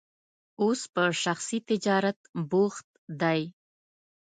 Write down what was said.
اوس په شخصي تجارت بوخت دی.